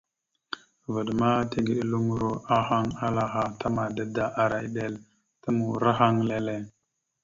Vvaɗ ma tigəɗeluŋoro ahaŋ ala aha ta mada da ara eɗel ta murahaŋ leele.